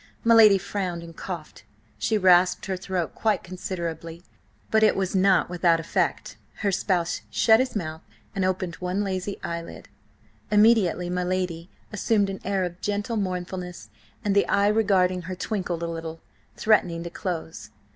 My lady frowned and coughed. She rasped her throat quite considerably, but it was not without effect; her spouse shut his mouth and opened one lazy eyelid. Immediately my lady assumed an air of gentle mournfulness, and the eye regarding her twinkled a little, threatening to close.